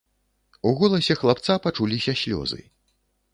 У голасе хлапца пачуліся слёзы.